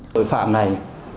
tội phạm này